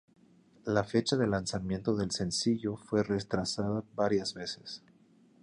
La fecha de lanzamiento del sencillo fue retrasada varias veces.